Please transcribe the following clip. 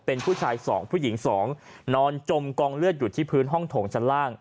เป็นผู้ชาย๒ผู้หญิง๒นอนจมกองเลือดอยู่ที่พื้นห้องโถงชั้นล่าง